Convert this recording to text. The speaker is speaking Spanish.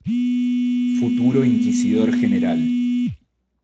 Futuro Inquisidor General.